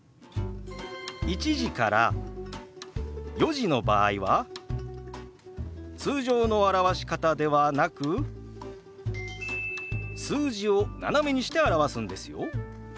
１時から４時の場合は通常の表し方ではなく数字を斜めにして表すんですよ。